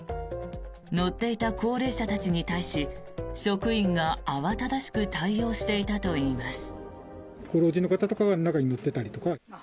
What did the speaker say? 乗っていた高齢者たちに対し職員が慌ただしく対応していたといいます。